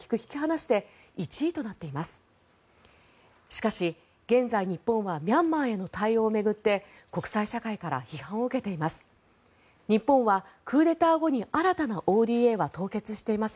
しかし現在、日本はミャンマーへの対応を巡って国際社会から批判を受けています。